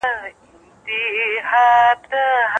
ولي عادلانه محاکمه اړینه ده؟